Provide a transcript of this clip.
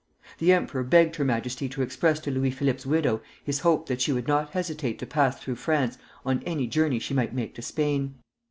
The emperor begged her Majesty to express to Louis Philippe's widow his hope that she would not hesitate to pass through France on any journey she might make to Spain.